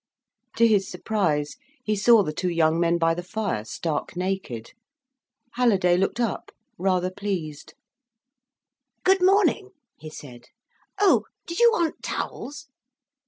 To his surprise he saw the two young men by the fire, stark naked. Halliday looked up, rather pleased. "Good morning," he said. "Oh—did you want towels?"